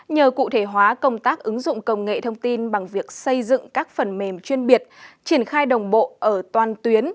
nhờ cụ thể hóa công tác ứng dụng công nghệ thông tin bằng việc xây dựng các phần mềm chuyên biệt triển khai đồng bộ ở toàn tuyến